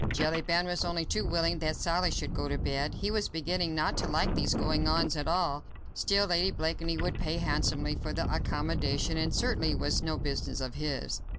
Jellyband was only too willing that Sally should go to bed. He was beginning not to like these goings on at all. Still, Lady Blakeney would pay handsomely for the accommodation, and it certainly was no business of his.